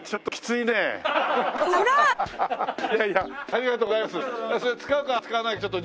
いやいやいやありがとうございます。